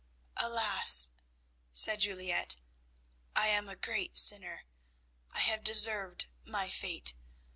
_] "Alas," said Juliette, "I am a great sinner; I have deserved my fate.